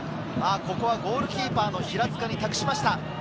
ゴールキーパーの平塚に託しました。